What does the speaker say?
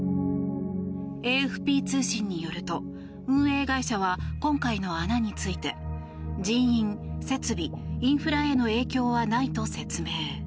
ＡＦＰ通信によると、運営会社は今回の穴について人員、設備インフラへの影響はないと説明。